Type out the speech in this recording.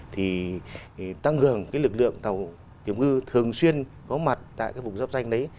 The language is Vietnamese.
thì tăng gần lực lượng tàu kiểm ngư thường xuyên có mặt tại vùng giáp danh đấy